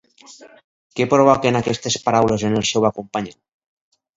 Què provoquen aquestes paraules en el seu acompanyant?